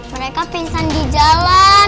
mereka pingsan di jalan